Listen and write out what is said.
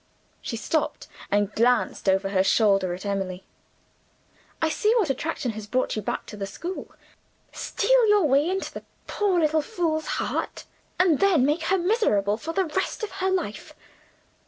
She stopped, and glanced over her shoulder at Emily. "I see what attraction has brought you back to the school. Steal your way into that poor little fool's heart; and then make her miserable for the rest of her life!